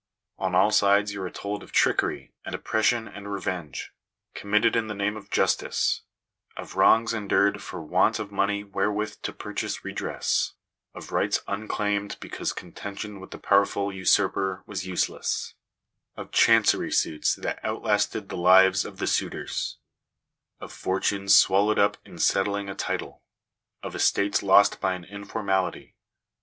On all sides you are told of trickery and oppres sion, and revenge, committed in the name of justice ; of wrongs endured for want of money wherewith to purchase redress ; of rights unclaimed because contention with the powerful usurper was useless; of ohanoery suits that outlasted the lives of the suitors ; of fortunes swallowed up in settling a title ; of estates lost by an informality.